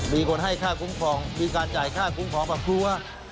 มีคนให้ค่าคุ้มครองมีการจ่ายค่าคุ้มครองกับครัว